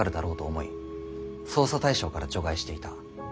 捜査対象から除外していた。